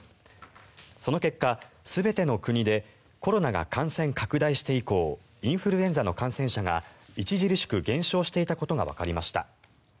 その結果、全ての国でコロナが感染拡大して以降インフルエンザの感染者が著しく減少していたことがわかりました。